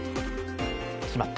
決まった！